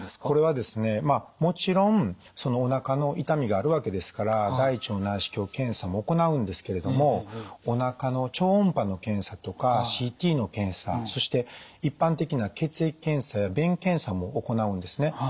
これはですねもちろんそのおなかの痛みがあるわけですから大腸内視鏡検査も行うんですけれどもおなかの超音波の検査とかＣＴの検査そして一般的な血液検査や便検査も行うんですね。